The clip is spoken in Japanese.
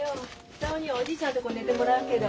久男にはおじいちゃんとこで寝てもらうけど。